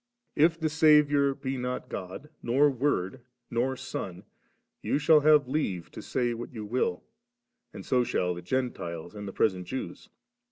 If the Saviour be not God, nor Word, nor Son, you shall have leave to say what you will, and so shall the Gentiles, and the present Jews.